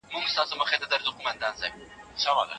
پر ده به نو ايله پدر لعنت له مينې ژاړي